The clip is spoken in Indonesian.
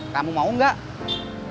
kamu mau gak